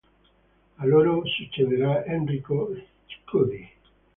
A loro succederà Enrico Tschudi.